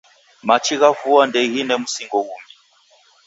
Machi gha vua ndeghine msingo ghungi